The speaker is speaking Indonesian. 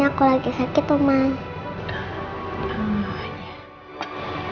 aku mau disuapin om ajan